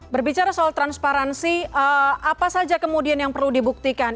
berbicara soal transparansi apa saja kemudian yang perlu dibuktikan